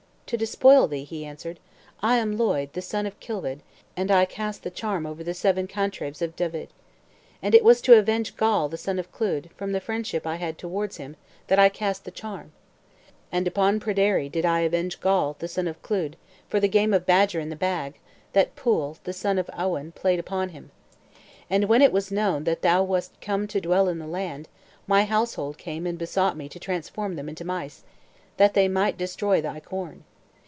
"To despoil thee," he answered. "I am Lloyd, the son of Kilwed, and I cast the charm over the seven cantrevs of Dyved. And it was to avenge Gawl, the son of Clud, from the friendship I had towards him, that I cast the charm. And upon Pryderi did I avenge Gawl, the son of Clud, for the game of Badger in the Bag, that Pwyll, the son of Auwyn, played upon him. And when it was known that thou wast come to dwell in the land, my household came and besought me to transform them into mice, that they might destroy thy corn.